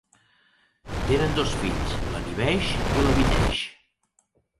Tenen dos fills, l'Anivesh i l'Avitesh.